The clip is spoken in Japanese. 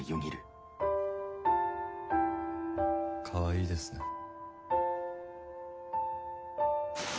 かわいいですね。